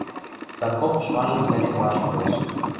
Санков ышмажым кӓрен ваштылеш.